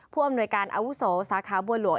ผู้อำนวยการอาวุโสสาขาบัวหลวง